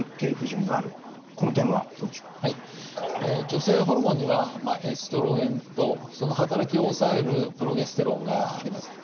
女性ホルモンにはエストロゲンとその働きを抑えるプロゲステロンがあります。